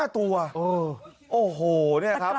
๕ตัวโอ้โหเนี่ยครับ